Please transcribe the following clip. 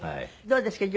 どうですか？